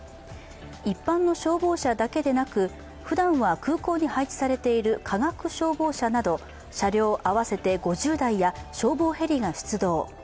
一般の消防車だけでなくふだんは空港に配置されている化学消防車など車両合わせて５０台や消防ヘリが出動。